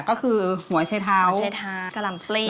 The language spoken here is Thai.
ก็คือหัวไชเท้าหัวไชเท้ากะลำปลี